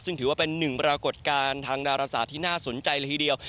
ซึ่งถือว่าเป็นหนึ่งปรากฏการณ์ทางดาราศาสตร์ที่น่าสนใจละทีเดียว